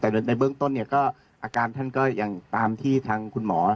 แต่ในเบื้องต้นเนี่ยก็อาการท่านก็ยังตามที่ทางคุณหมอ